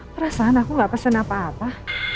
perasaan aku gak pesen apa apa